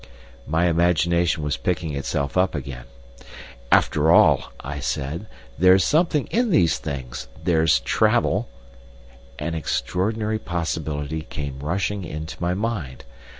My imagination was picking itself up again. "After all," I said, "there's something in these things. There's travel—" An extraordinary possibility came rushing into my mind.